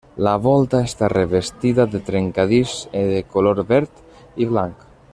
La volta està revestida de trencadís de color verd i blanc.